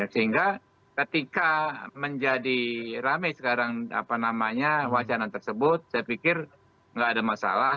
sehingga ketika menjadi rame sekarang wajanan tersebut saya pikir nggak ada masalah